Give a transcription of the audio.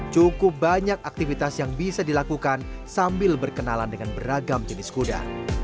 cukup banyak aktivitas yang bisa dilakukan sambil berkenalan dengan beragam jenis kuda